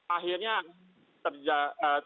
akhirnya tergantung pada